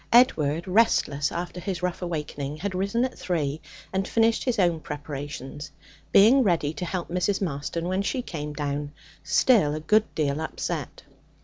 Edward, restless after his rough awakening, had risen at three and finished his own preparations, being ready to help Mrs. Marston when she came down, still a good deal upset.